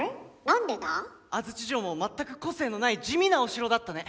安土城も全く個性のない地味なお城だったね。